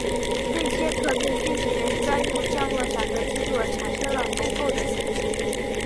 瑞切特对飞行员专用降落伞的制作产生了浓厚兴趣。